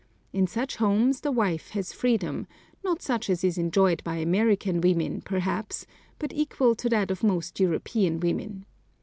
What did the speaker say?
In such homes the wife has freedom, not such as is enjoyed by American women, perhaps, but equal to that of most European women.